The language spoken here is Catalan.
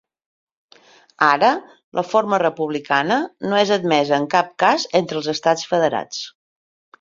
Ara, la forma republicana no és admesa en cap cas entre els estats federats.